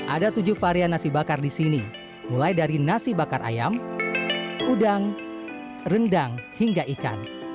ada tujuh varian nasi bakar di sini mulai dari nasi bakar ayam udang rendang hingga ikan